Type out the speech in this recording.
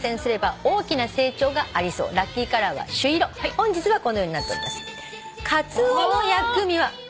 本日はこのようになっております。